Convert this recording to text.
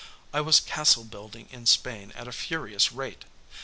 I was castle building in Spain at a furious rate.